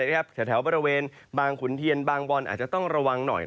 แถวบริเวณบางขุนเทียนบางบอลอาจจะต้องระวังหน่อย